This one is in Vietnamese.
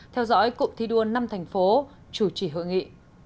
theo dõi cụm thi đua năm thành phố chủ trì hội nghị